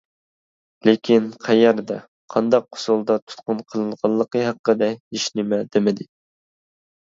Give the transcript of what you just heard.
لېكىن قەيەردە، قانداق ئۇسۇلدا تۇتقۇن قىلىنغانلىقى ھەققىدە ھېچنېمە دېمىدى.